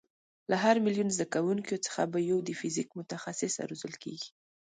له هر میلیون زده کوونکیو څخه به یو د فیزیک متخصصه روزل کېږي.